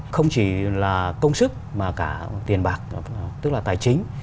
không chỉ là công sức mà cả tiền bạc tức là tài chính